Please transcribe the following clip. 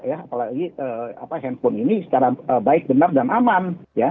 apalagi handphone ini secara baik benar dan aman